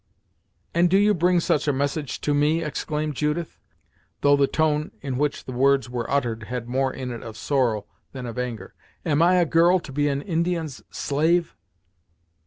"And do you bring such a message to me," exclaimed Judith, though the tone in which the words were uttered had more in it of sorrow than of anger. "Am I a girl to be an Indian's slave?"